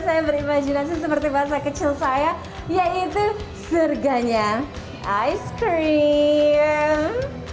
saya berimajinasi seperti basah kecil saya yaitu surganya ice cream